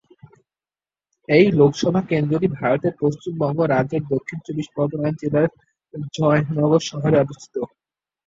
এই লোকসভা কেন্দ্রটি ভারতের পশ্চিমবঙ্গ রাজ্যের দক্ষিণ চব্বিশ পরগনা জেলার জয়নগর শহরে অবস্থিত।